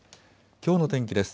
きょうの天気です。